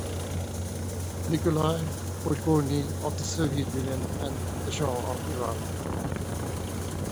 Nikolai Podgorny of the Soviet Union and the Shah of Iran.